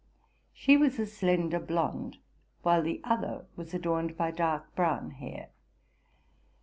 She was a slender blonde, while the other was adorned by dark brown hair.